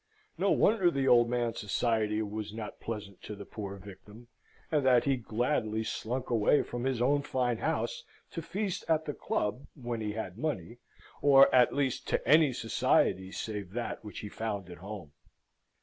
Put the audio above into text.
No wonder the old man's society was not pleasant to the poor victim, and that he gladly slunk away from his own fine house, to feast at the club when he had money, or at least to any society save that which he found at home.